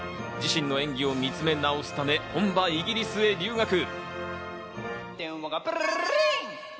自身の演技を見つめ直すため、本場イギリスへ留学。